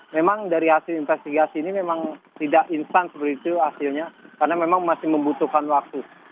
memang dari hasil investigasi ini memang tidak instan seperti itu hasilnya karena memang masih membutuhkan waktu